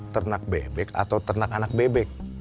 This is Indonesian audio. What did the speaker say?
ternak bebek atau ternak anak bebek